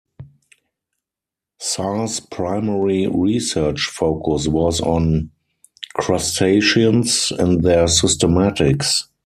Sars' primary research focus was on crustaceans and their systematics.